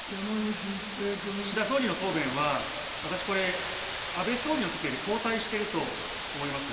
岸田総理の答弁は、私、これ、安倍総理のときより後退していると思いますよ。